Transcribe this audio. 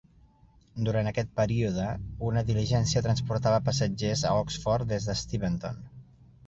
Durant aquesta període, una diligència transportava passatgers a Oxford des d'Steventon.